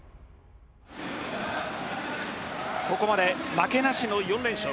ここまで負けなしの４連勝。